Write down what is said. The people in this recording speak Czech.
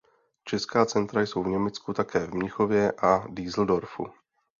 Česká centra jsou v Německu také v Mnichově a Düsseldorfu.